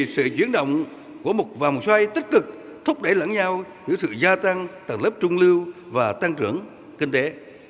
sự diễn động của một vàng xoay tích cực thúc đẩy lẫn nhau với sự gia tăng tầng lớp trung lưu và tăng trưởng kinh tế